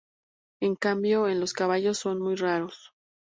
En cambio, en los caballos son muy raros.